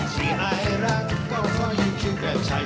ที่ไอลักก็คอยอยู่แบบไทย